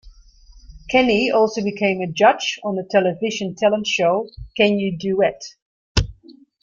Kenny also became a judge on the television talent show "Can You Duet".